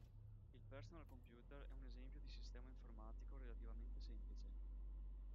Il personal computer è un esempio di sistema informatico relativamente semplice.